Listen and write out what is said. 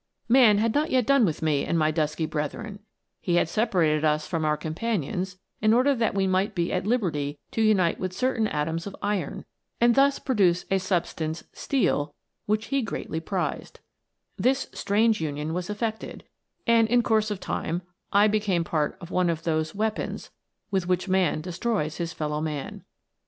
" Man had not yet done with me and my dusky brethren ; he had separated us from our companions in order that we might be at liberty to unite with certain atoms of iron, and thus produce a substance which he greatly prized, f This strange union was effected, and in course of time I became a part of one of those weapons with which man destroys his fellow man.